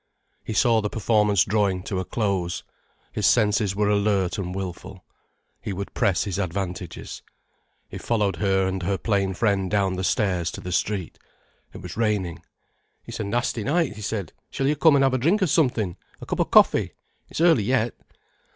He saw the performance drawing to a close. His senses were alert and wilful. He would press his advantages. He followed her and her plain friend down the stairs to the street. It was raining. "It's a nasty night," he said. "Shall you come and have a drink of something—a cup of coffee—it's early yet."